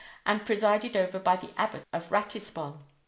and presided over by the Abbot of Ratisbon.